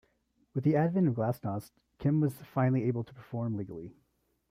With the advent of glasnost, Kim was finally able to perform legally.